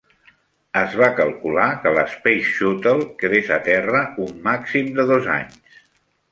Es va calcular que la Space Shuttle quedés a terra un màxim de dos anys.